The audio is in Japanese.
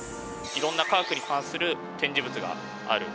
色んな科学に関する展示物がある。